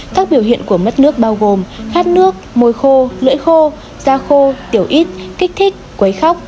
các biểu hiện của mất nước bao gồm hát nước môi khô lưỡi khô da khô tiểu ít kích thích quấy khóc